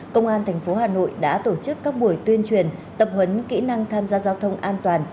công an tp hà nội đã tổ chức các buổi tuyên truyền tập huấn kỹ năng tham gia giao thông an toàn